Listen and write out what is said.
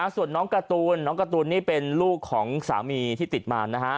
ส่วนน้องการ์ตูนน้องการ์ตูนนี่เป็นลูกของสามีที่ติดมานะฮะ